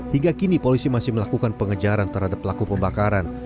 hingga kini polisi masih melakukan pengejaran terhadap pelaku pembakaran